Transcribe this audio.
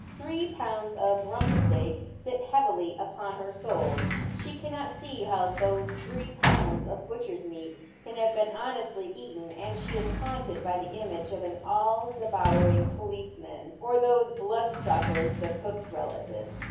Three pounds of rump steak sit heavily upon her soul. She cannot see how these three pounds of butcher's meat can have been honestly eaten, and she is haunted by the image of an all devouring policeman — or those blood* Buckers, the cook's relatives.